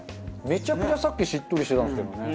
めちゃくちゃさっきしっとりしてたんですけどね。